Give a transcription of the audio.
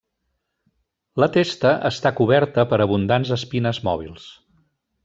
La testa està coberta per abundants espines mòbils.